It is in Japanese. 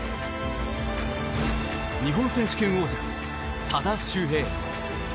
日本選手権王者多田修平。